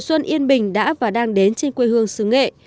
xuân yên bình đã và đang đến trên quê hương xứ nghệ